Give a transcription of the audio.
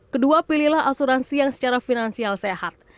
kedua pilihlah asuransi yang secara finansial sehat